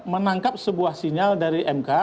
menangkap sebuah sinyal dari mk